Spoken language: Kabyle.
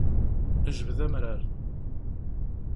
Jbed amrar.